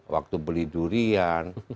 waktu beli durian